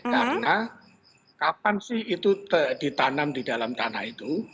karena kapan sih itu ditanam di dalam tanah itu